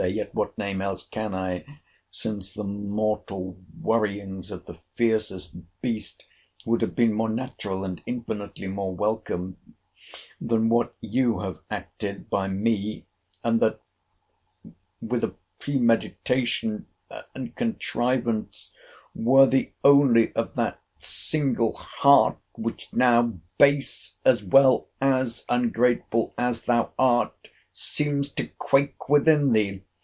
—Yet what name else can I? since the mortal worryings of the fiercest beast would have been more natural, and infinitely more welcome, that what you have acted by me; and that with a premeditation and contrivance worthy only of that single heart which now, base as well as ungrateful as thou art, seems to quake within thee.